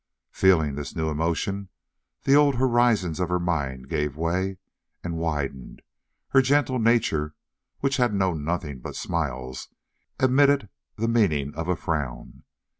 Feeling this new emotion, the old horizons of her mind gave way and widened; her gentle nature, which had known nothing but smiles, admitted the meaning of a frown.